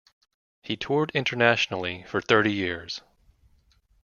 He toured internationally for thirty years.